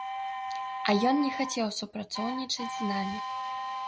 А ён не хацеў супрацоўнічаць з намі.